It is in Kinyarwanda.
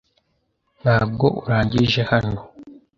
Ntabwo urangije hano.